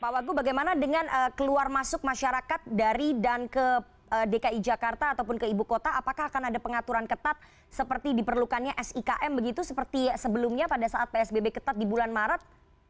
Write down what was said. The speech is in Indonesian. pak wagu bagaimana dengan keluar masuk masyarakat dari dan ke dki jakarta ataupun ke ibu kota apakah akan ada pengaturan ketat seperti diperlukannya sikm begitu seperti sebelumnya pada saat psbb ketat di bulan maret